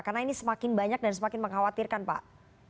karena ini semakin banyak dan semakin mengkhawatirkan pak